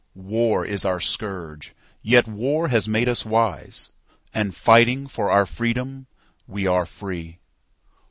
War is our scourge; yet war has made us wise, And, fighting for our freedom, we are free.